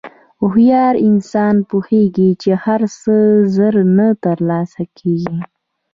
هوښیار انسان پوهېږي چې هر څه زر نه تر لاسه کېږي.